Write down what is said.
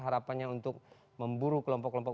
harapannya untuk memburu kelompok kelompok